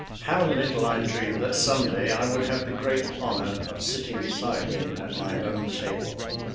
How little I dreamed that some day I would have the great honor of sitting beside him at my own table.